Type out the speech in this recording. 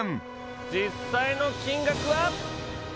実際の金額は？